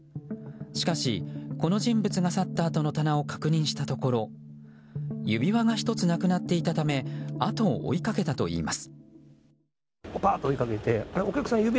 しかし、この人物が去ったあとの棚を確認したところ指輪が１つなくなっていたためあとを追いかけたといいます。